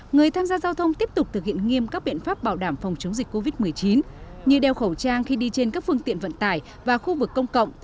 người tham gia giao thông tiếp tục thực hiện nghiêm các biện pháp bảo đảm phòng chống dịch covid một mươi chín như đeo khẩu trang khi đi trên các phương tiện vận tải và khu vực công cộng